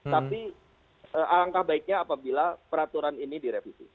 tapi alangkah baiknya apabila peraturan ini direvisi